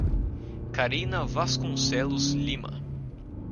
Carina Vasconcelos Lima